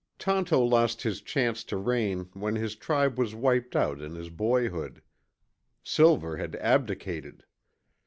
Tonto lost his chance to reign when his tribe was wiped out in his boyhood. Silver had abdicated.